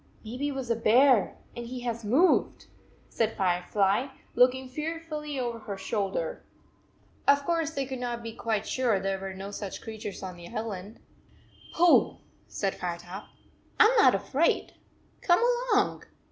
4 Maybe it was a bear and he has moved, said Firefly, looking fearfully over her shoul der. Of course they could not be quite sure there were no such creatures on the island. 118 "Pooh," said Firetop, "I m not afraid. Come along."